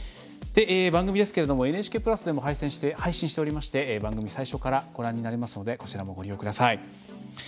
番組はＮＨＫプラスでも配信しておりまして番組を最初からご覧になれますのでこちらもご利用ください。